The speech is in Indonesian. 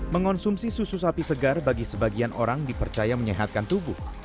mengonsumsi susu sapi segar bagi sebagian orang dipercaya menyehatkan tubuh